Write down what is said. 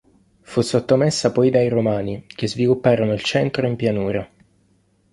Fu sottomessa poi dai romani, che svilupparono il centro in pianura.